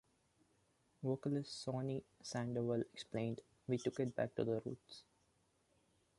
Vocalist Sonny Sandoval explained, We took it back to the roots.